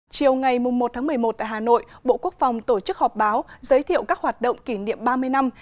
chiều ngày một một mươi một tại hà nội bộ quốc phòng tổ chức họp báo giới thiệu các hoạt động kỷ niệm ba mươi năm